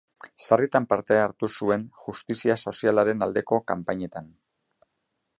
Sarritan parte hartu zuen justizia sozialaren aldeko kanpainetan.